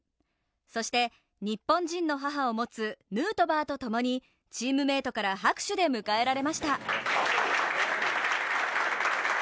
そして、日本人の母を持つヌートバーとともにチームメートから拍手で迎えられました。